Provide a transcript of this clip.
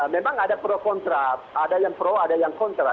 memang ada pro kontra ada yang pro ada yang kontra